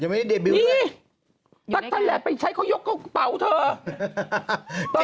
นี่ตั๊กท่านแหละไปใช้ค่อยกเบาเถอะ